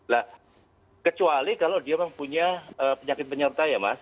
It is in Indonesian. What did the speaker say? nah kecuali kalau dia mempunyai penyakit penyerta ya mas